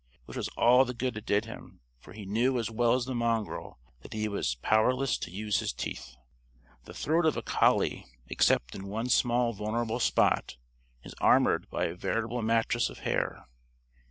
Which was all the good it did him; for he knew as well as the mongrel that he was powerless to use his teeth. The throat of a collie except in one small vulnerable spot is armored by a veritable mattress of hair.